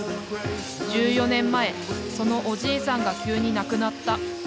１４年前そのおじいさんが急に亡くなった。